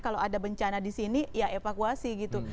kalau ada bencana di sini ya evakuasi gitu